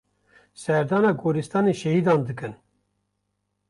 Serdana goristanên şehîdan dikin.